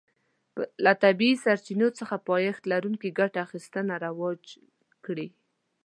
له طبیعي سرچینو څخه پایښت لرونکې ګټه اخیستنه رواج کړي.